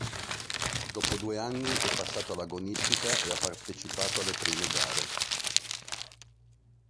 Dopo due anni è passato all’agonistica e ha partecipato alle prime gare.